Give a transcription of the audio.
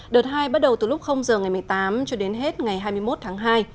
đợt hai bắt đầu từ lúc giờ ngày một mươi tám cho đến hết ngày hai mươi một tháng hai